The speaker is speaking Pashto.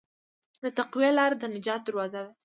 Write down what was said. د تقوی لاره د نجات دروازه ده.